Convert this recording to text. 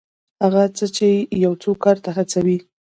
هغه څه چې یو څوک کار ته هڅوي.